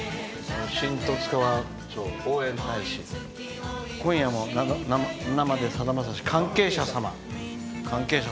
新十津川町応援大使「今夜も生でさだまさし関係者様」。